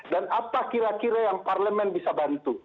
dan apa kira kira yang parlement bisa bantu